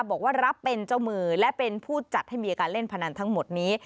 บอกว่ารับเป็นเจ้ามือและเป็นผู้จัดให้มีอาการเล่นพนันทั้งหมดนี้